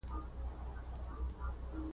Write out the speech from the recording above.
دا سبک په هند افغانستان او ایران کې مشهور و